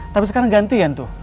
tapi sekarang ganti ya itu